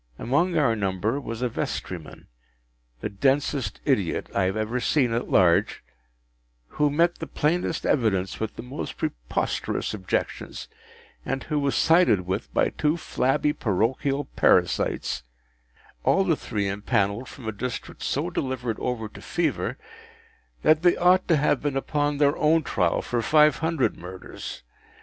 Among our number was a vestryman,—the densest idiot I have ever seen at large,—who met the plainest evidence with the most preposterous objections, and who was sided with by two flabby parochial parasites; all the three impanelled from a district so delivered over to Fever that they ought to have been upon their own trial for five hundred Murders.